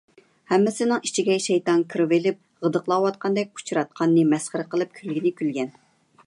ھەممىسىنىڭ ئىچىگە شەيتان كىرىۋېلىپ غىدىقلاۋاتقاندەك ئۇچىراتقاننى مەسخىرە قىلىپ كۈلگىنى كۈلگەن.